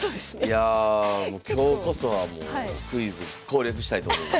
いや今日こそはもうクイズ攻略したいと思います。